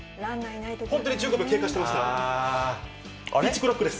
本当に１５秒経過してましたよ。